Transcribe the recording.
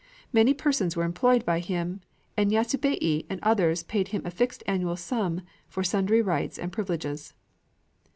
Many persons were employed by him; and Yasubei and others paid him a fixed annual sum for sundry rights and privileges.